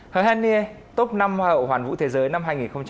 hồ hèn nghê top năm hoa hậu hoàn vũ thế giới năm hai nghìn một mươi tám